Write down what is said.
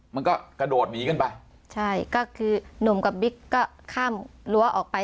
มันก็กระโดดหนีกันไปใช่ก็คือหนุ่มกับบิ๊กก็ข้ามรั้วออกไป